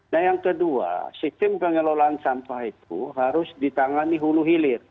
nah yang kedua sistem pengelolaan sampah itu harus ditangani hulu hilir